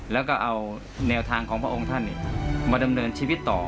แล้วก็เอาแนวทางของพระองค์ท่านมาดำเนินชีวิตต่อ